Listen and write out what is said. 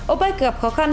opec gặp khó khăn